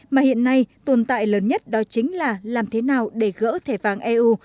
mà hiện nay tồn tại lớn nhất đó chính là làm thế nào để gỡ thẻ vàng eu